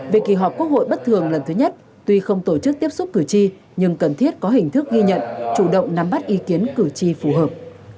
về kỳ họp quốc hội bất thường lần thứ nhất tuy không tổ chức tiếp xúc cử tri nhưng cần thiết có hình thức ghi nhận chủ động nắm bắt ý kiến cử tri phù hợp